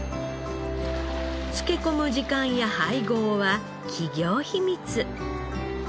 漬け込む時間や配合は企業秘密。